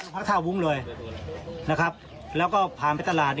พระท่าวุ้งเลยนะครับแล้วก็ผ่านไปตลาด